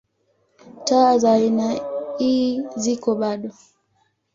Taa za aina ii ziko bado.